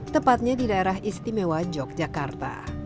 tepatnya di daerah istimewa yogyakarta